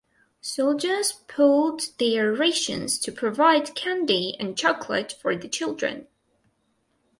Soldiers pooled their rations to provide candy and chocolate for the children.